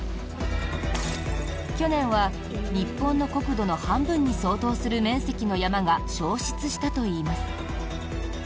去年は日本の国土の半分に相当する面積の山が焼失したといいます。